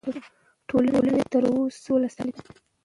ټولنې تر اوسه سوله ساتلې ده.